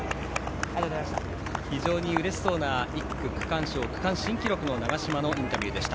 非常にうれしそうな１区区間賞区間新記録の長嶋のインタビューでした。